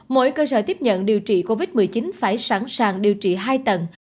mỗi cơ sở tiếp nhận điều trị covid một mươi chín phải sẵn sàng điều trị hai tầng